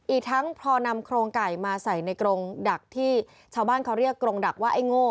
อีกทั้งพอนำโครงไก่มาใส่ในกรงดักที่ชาวบ้านเขาเรียกกรงดักว่าไอ้โง่